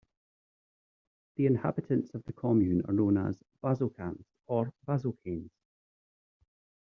The inhabitants of the commune are known as "Bazocains" or "Bazocaines".